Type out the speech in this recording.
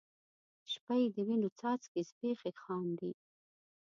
شپه یې د وینو څاڅکي زبیښي خاندي